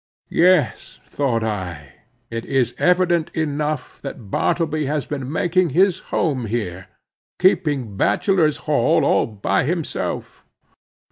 Yes, thought I, it is evident enough that Bartleby has been making his home here, keeping bachelor's hall all by himself.